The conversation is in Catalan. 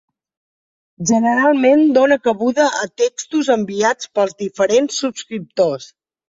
Generalment dóna cabuda a textos enviats pels diferents subscriptors.